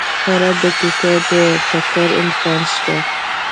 هره دقیقه د ټکر امکان شته.